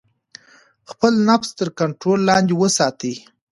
خپل نفس تر کنټرول لاندې وساتئ.